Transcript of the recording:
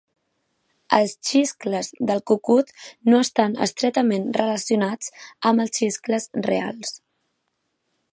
Els xiscles del cucut no estan estretament relacionats amb els xiscles reals.